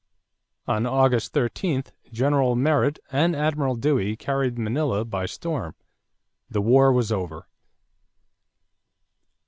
On August 13, General Merritt and Admiral Dewey carried Manila by storm. The war was over.